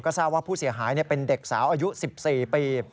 ทราบว่าผู้เสียหายเป็นเด็กสาวอายุ๑๔ปี